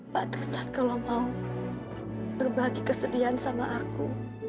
pak tristan kalau mau berbagi kesedihan sama aku